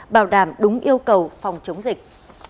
bảo đảm đúng yêu cầu phòng chống dịch